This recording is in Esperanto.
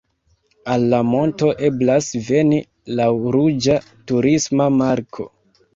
Al la monto eblas veni laŭ ruĝa turisma marko.